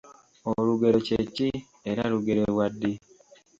Olugero kye ki era lugerebwa ddi?